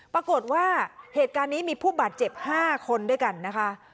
ปรากฏว่าเหตุการณ์นี้มีผู้บาดเจ็บ๕คนด้วยกันนะคะ